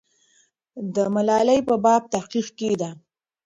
د ملالۍ په باب تحقیق کېده.